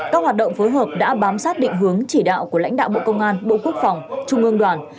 các hoạt động phối hợp đã bám sát định hướng chỉ đạo của lãnh đạo bộ công an bộ quốc phòng trung ương đoàn